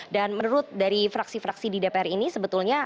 dan menurut dari fraksi fraksi di dpr ini sebetulnya